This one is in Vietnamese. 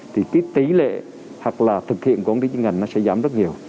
thì cái tỷ lệ hoặc là thực hiện của ngành nó sẽ giảm rất nhiều